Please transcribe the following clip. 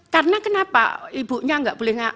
karena kenapa ibunya enggak boleh